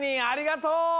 ありがとう！